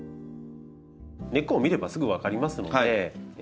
根っこを見ればすぐ分かりますので抜いてみます。